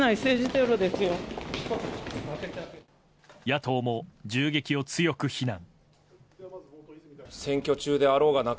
野党も、銃撃を強く非難。